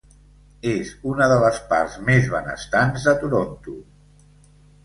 És una de les parts més benestants de Toronto.